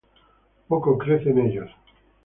Poco crece en ellos.